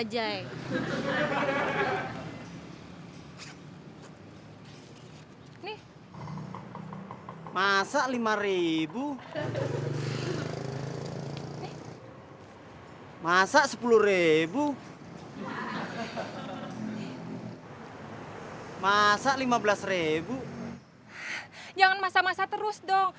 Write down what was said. jangan masa masa terus dong